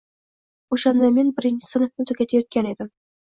O`shanda men birinchi sinfni tugutayotgan edim